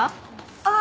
ああ！